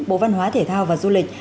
bộ văn hóa thể thao và du lịch